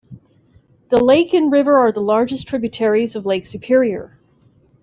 The lake and river are the largest tributaries of Lake Superior.